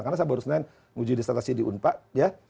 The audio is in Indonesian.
karena saya baru senen mujidistratasi di unpa ya